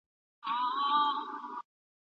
هغه په ځواب ورکولو کې ځنډ وکړ.